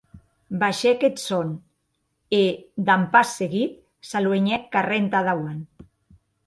Baishèc eth sòn, e, damb pas seguit, s’aluenhèc carrèr entà dauant.